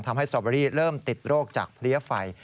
สตรอเบอรี่เริ่มติดโรคจากเพลี้ยไฟ